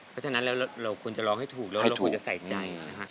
เพราะฉะนั้นแล้วเราควรจะร้องให้ถูกแล้วเราควรจะใส่ใจนะคะ